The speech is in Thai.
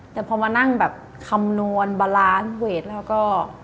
แต่พอมานั่งแบบคำนวณบาลานซ์เวทแล้วก็